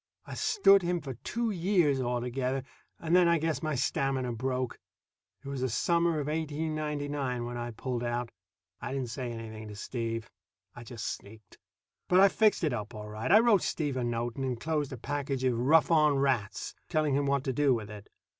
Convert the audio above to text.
I stood him for two years altogether, and then I guess my stamina broke. It was the summer of 1899 when I pulled out. I didn't say anything to Steve. I just sneaked. But I fixed it up all right. I wrote Steve a note, and enclosed a package of "rough on rats," telling him what to do with it.